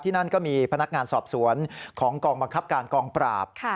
นั่นก็มีพนักงานสอบสวนของกองบังคับการกองปราบ